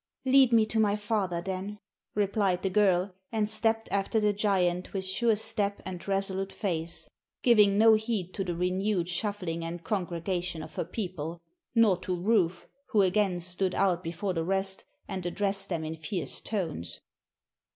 "Lead me to my father, then," replied the girl, and stepped after the giant with sure step and resolute face, giving no heed to the renewed shuffling and congregating of her people, nor to Rufe, who again stood out before the rest and addressed them in fierce tones.